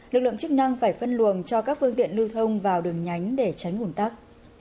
lực lượng chức năng phải phân luồng cho các phương tiện lưu thông vào đường nhánh để tránh ủn tắc